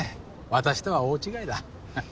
私とは大違いだ。